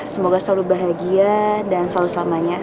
semoga selalu bahagia dan selalu selamanya